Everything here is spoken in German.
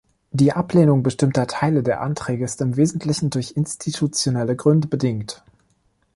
Die Ablehnung bestimmter Teile der Anträge ist im wesentlichen durch institutionelle Gründe bedingt.